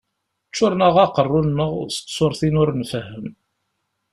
Ččuren-aɣ aqerru-nneɣ s tsurtin ur nfehhem.